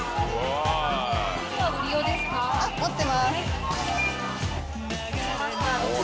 あっ持ってます。